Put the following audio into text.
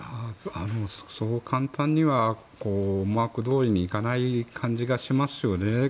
そう簡単には思惑どおりにいかない感じがしますよね。